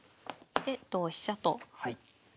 で同飛車とはい。